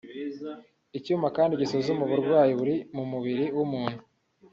icyuma kandi gisuzuma uburwayi buri mu mubiri w’umuntu